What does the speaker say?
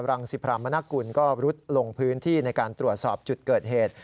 รังสิพรามนกุลก็รุดลงพื้นที่ในการตรวจสอบจุดเกิดเหตุ